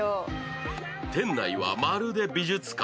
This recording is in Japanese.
店内はまるで美術館。